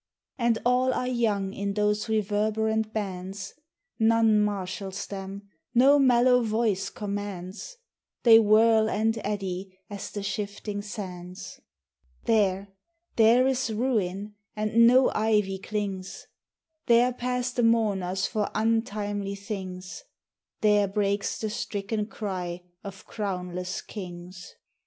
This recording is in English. And all are young in those reverberant bands ; None marshals them, no mellow voice commands ; They whirl and eddy as the shifting sands. There, there is ruin, and no ivy clings ; There pass the mourners for untimely things. There breaks the stricken cry of crownless kings.